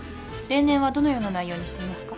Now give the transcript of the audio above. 例年はどのような内容にしていますか？